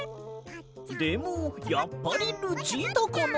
「でもやっぱりルチータかな」。